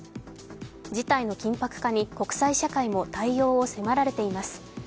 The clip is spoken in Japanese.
事態の緊迫化に国際社会も対応を迫られています。